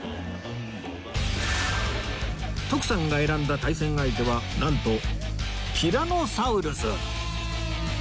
徳さんが選んだ対戦相手はなんとティラノサウルス